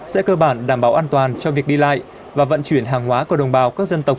sẽ cơ bản đảm bảo an toàn cho việc đi lại và vận chuyển hàng hóa của đồng bào các dân tộc